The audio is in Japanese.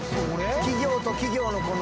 企業と企業の。